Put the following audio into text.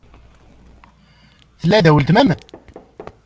Tella da weltma-m?